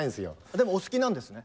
でもお好きなんですね。